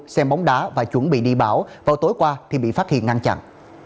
xe bóng đá và chuẩn bị đi bão vào tối qua thì bị phát hiện ngăn chặn